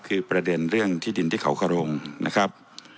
คือประเด็นเรื่องที่ดินที่เขาขรงนะครับ